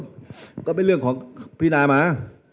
แต่ก็ไม่เป็นเรื่องของพี่นายมา